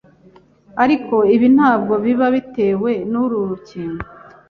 ariko ibi ntabwo biba bitewe n’uru rukingo